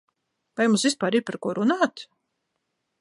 Vai mums vispār ir par ko runāt?